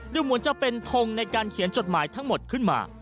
เรียกว่ามันจะเป็นทงในการเขียนจดหมายทั้งหมดขึ้นมา